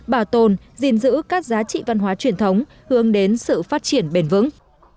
bảo tồn gìn giữ các giá trị văn hóa truyền thống hướng đến sự phát triển bền vững